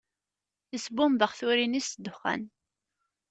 Isbumbex turin-is s ddexxan.